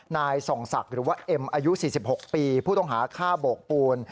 นายส่องศักดิ์หรือว่าเอ็มอายุ๔๖ปีผู้ต้องหาฆ่าโบกปูน